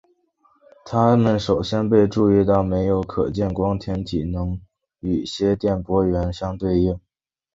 它们首先被注意到没有可见光天体能与些电波源对应。